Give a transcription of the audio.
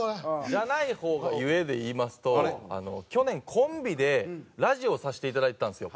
じゃない方が故で言いますと去年コンビでラジオさせていただいてたんですよ。